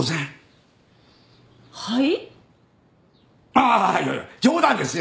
ああいやいや冗談ですよ